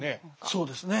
そうですね。